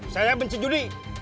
saya benci judi